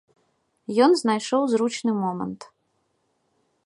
Ён знайшоў зручны момант.